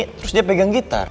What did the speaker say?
terus dia pegang gitar